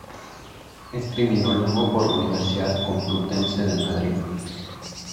Es criminólogo por la Universidad Complutense de Madrid.